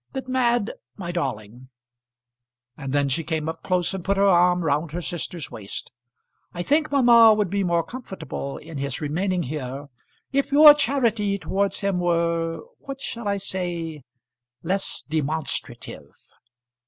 But, Mad, my darling," and then she came up close and put her arm round her sister's waist. "I think mamma would be more comfortable in his remaining here if your charity towards him were what shall I say? less demonstrative."